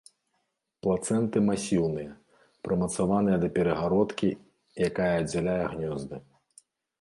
Плацэнты масіўныя, прымацаваныя да перагародкі, якая аддзяляе гнёзды.